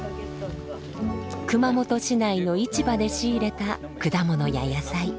熊本市内の市場で仕入れた果物や野菜。